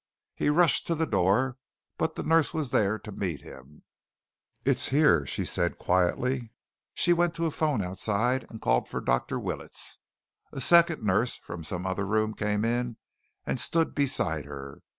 He rushed to the door, but the nurse was there to meet him. "It's here," she said quietly. She went to a phone outside and called for Dr. Willets. A second nurse from some other room came in and stood beside her.